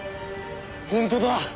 本当だ。